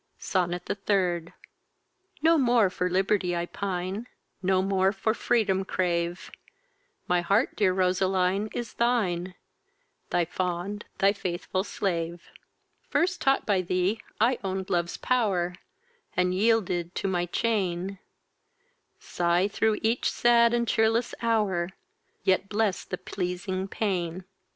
SONNET THE THIRD No more for liberty I pine, No more for freedom crave; My heart, dear Roseline, is thine, Thy fond, thy faithful slave. First taught by thee I own'd love's pow'r, And yielded to my chain; Sigh through each sad and cheerless hour, Yet bless the pleasing pain.